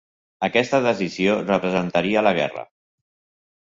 Aquesta decisió representaria la guerra.